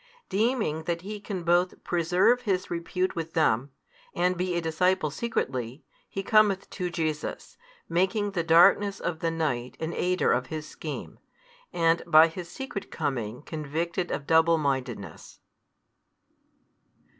Deeming that he can both preserve his repute with them, and be a disciple secretly, he cometh to Jesus, making the darkness of the night an aider of his scheme, and by his secret coming convicted of double mindedness.